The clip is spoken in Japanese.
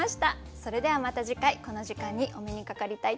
それではまた次回この時間にお目にかかりたいと思います。